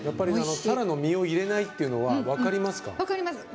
タラの身を入れないっていうのは分かりますか？